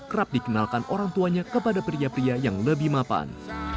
kerap dikenalkan orang tuanya kepada pria pria yang lebih mapan